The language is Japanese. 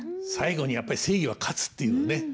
最後にやっぱり正義は勝つっていうのね